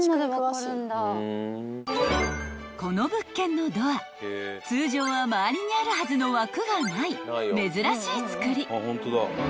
［この物件のドア通常は周りにあるはずの枠がない珍しい造り］